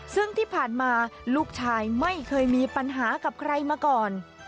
ซึ่งที่ผ่านมาลูกชายไม่เคยมีปัญหากับใครมาก่อน